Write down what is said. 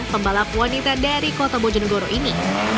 pembalap wanita dari kota bojonegoro ini